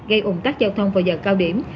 gây ủng tắc giao thông vào giờ cao điểm